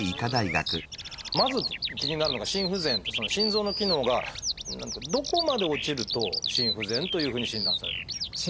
まず気になるのが心不全って心臓の機能がどこまで落ちると「心不全」というふうに診断されるんでしょう？